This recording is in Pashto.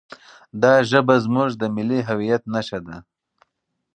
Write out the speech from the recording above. دا ژبه زموږ د ملي هویت نښه ده.